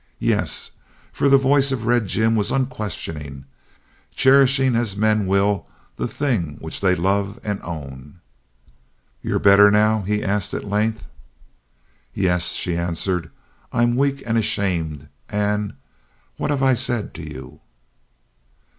Yes, for the voice of Red Jim was unquestioning, cherishing as men will the thing which they love and own. "You're better now?" he asked at length. "Yes," she answered, "I'm weak and ashamed and what have I said to you?"